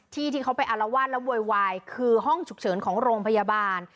ที่เขาไปอารวาสแล้วโวยวายคือห้องฉุกเฉินของโรงพยาบาล